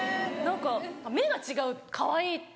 目が違うかわいいって。